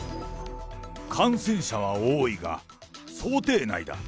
感染者は多いが、想定内だ。